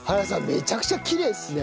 めちゃくちゃきれいですね！